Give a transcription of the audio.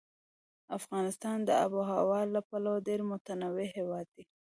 افغانستان د آب وهوا له پلوه ډېر متنوع هېواد دی.